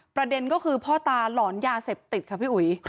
ประเด็นก็คือพ่อตาหลอนยาเสพติดค่ะพี่อุ๋ย